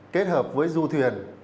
kết hợp với du thuyền